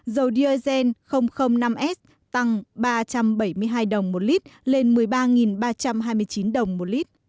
dầu diesel năm s tăng ba trăm bảy mươi hai đồng một lít lên một mươi ba ba trăm hai mươi chín đồng một lít